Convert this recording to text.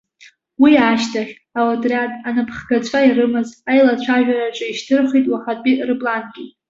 Уи ашьҭахь, аотриад анапхгацәа ирымаз аилацәажәараҿы ишьҭырхит уахатәи рыплангьы.